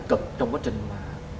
cực trong quá trình mà